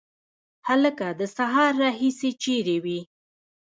هلکه د سهار راهیسي چیري وې؟